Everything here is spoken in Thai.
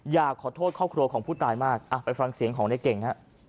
อยากขอโทษครอบครัวของผู้ตายมากไปฟังเสียงของในเก่งฮะ